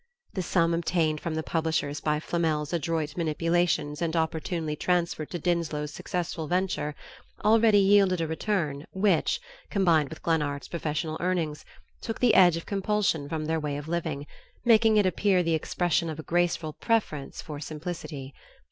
The sum obtained from the publishers by Flamel's adroit manipulations and opportunely transferred to Dinslow's successful venture, already yielded a return which, combined with Glennard's professional earnings, took the edge of compulsion from their way of living, making it appear the expression of a graceful preference for simplicity.